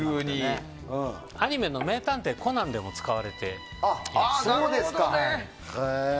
アニメの「名探偵コナン」でも使われています。